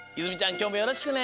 きょうもよろしくね！